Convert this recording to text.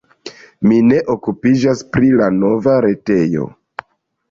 Mi ne okupiĝas pri la nova retejo.